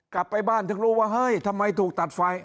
กลับไปบ้านถึงรู้ว่าเฮ้ยทำไมถูกตัดไฟ